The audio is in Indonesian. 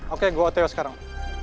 oke gue otw sekarang